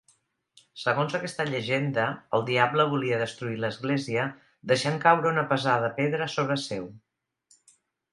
Segons aquesta llegenda, el diable volia destruir l'església deixant caure una pesada pedra sobre seu.